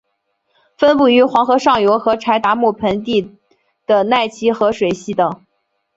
分布于黄河上游和柴达木盆地的奈齐河水系等。